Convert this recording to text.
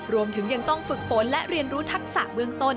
รวมถึงยังต้องฝึกฝนและเรียนรู้ทักษะเบื้องต้น